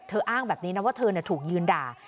อ้างแบบนี้นะว่าเธอถูกยืนด่า